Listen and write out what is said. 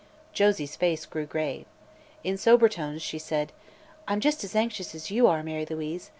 Josie's face grew grave. In sober tones she said: "I'm just as anxious as you are, Mary Louise.